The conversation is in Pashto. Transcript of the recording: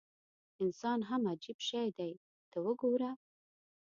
انسان هم عجیب شی دی ته وګوره.